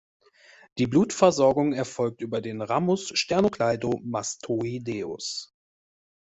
Die Blutversorgung erfolgt über den Ramus sternocleidomastoideus.